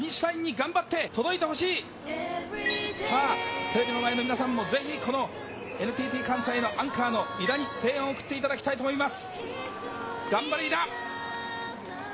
テレビの前の皆さんもぜひＮＴＴ関西の井田にエールを送っていただきたいと思います。